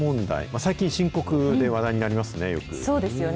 最近、深刻で話題になりますね、そうですよね。